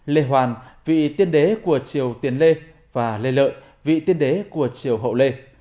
lê hoàn vị tiên đế của triều tiên lê và lê lợi vị tiên đế của triều hậu lê